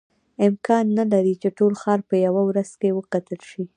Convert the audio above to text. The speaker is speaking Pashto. امکان نه لري چې ټول ښار په یوه ورځ کې وکتل شي.